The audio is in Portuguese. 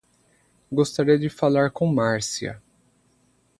Gostaria de falar com Márcia.